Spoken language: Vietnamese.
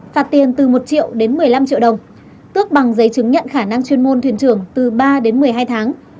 phạt tiền từ một triệu đến một mươi năm triệu đồng tước bằng giấy chứng nhận khả năng chuyên môn thuyền trưởng từ ba đến một mươi hai tháng